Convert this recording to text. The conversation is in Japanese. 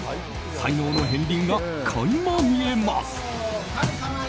才能の片鱗が垣間見えます。